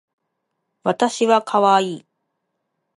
わたしはかわいい